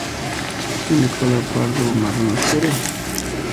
Tiene cola pardo o marrón oscuro.